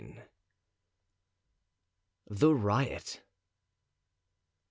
The Riot.